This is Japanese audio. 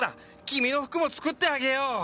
君の服も作ってあげよう！